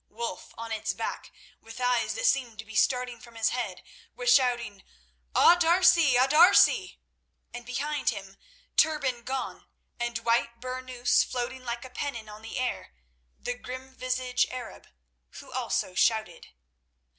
Wulf on its back, with eyes that seemed to be starting from his head, was shouting, "A D'Arcy! A D'Arcy!" and behind him, turban gone, and white burnous floating like a pennon on the air, the grim visaged Arab, who also shouted.